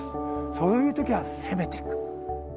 そういう時は攻めてく。